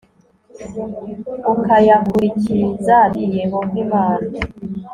ukayakurikiza d Yehova Imana